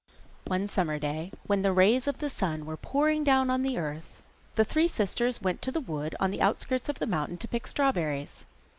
One summer day, when the rays of the sun were pouring down on the earth, the three sisters went to the wood on the outskirts of the mountain to pick strawberries.